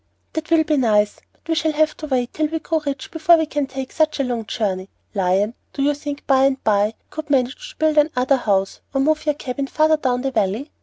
"That will be nice; but we shall have to wait till we grow rich before we can take such a long journey. Lion, do you think by and by we could manage to build another house, or move your cabin farther down the Valley?